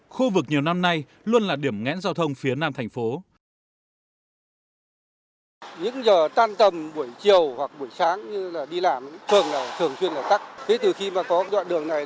khu vực nhiều năm nay luôn là điểm nghẽn giao thông phía nam thành phố